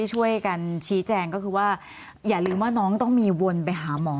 ช่วยกันชี้แจงก็คือว่าอย่าลืมว่าน้องต้องมีวนไปหาหมอ